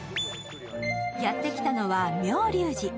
やって来たのは妙立寺。